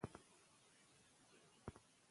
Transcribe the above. پښتون په پښتو ښه ښکاریږي